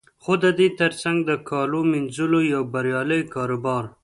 خو د دې تر څنګ د کالو مینځلو یو بریالی کاروبار